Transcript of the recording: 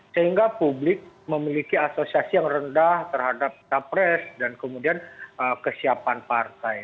sehingga publik memiliki asosiasi yang rendah terhadap capres dan kemudian kesiapan partai